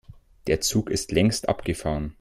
Der Zug ist längst abgefahren.